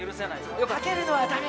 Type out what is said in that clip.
かけるのは駄目。